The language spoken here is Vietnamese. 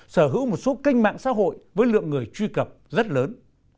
sở hữu một số kênh mạng xã hội với lượng người truy cập rất lớn